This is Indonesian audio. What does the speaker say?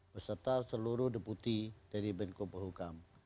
beserta seluruh deputi dari menko polhukam